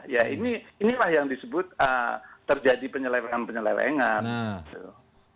ya inilah yang disebut terjadi penyelewengan penyelewengan gitu